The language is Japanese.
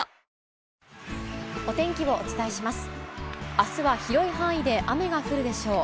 あすは広い範囲で雨が降るでしょう。